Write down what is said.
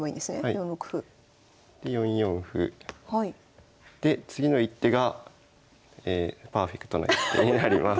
４六歩。で４四歩。で次の一手がパーフェクトな一手になります。